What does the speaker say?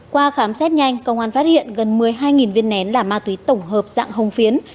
qua khám xét nhanh công an phát hiện gần một mươi hai viên nén là ma túy tổng hợp dạng hồng phiến